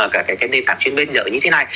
các cái nền tảng chuyên biên giới như thế này